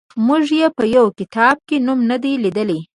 موږ یې په یوه کتاب کې نوم نه دی لیدلی.